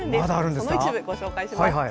その一部をご紹介します。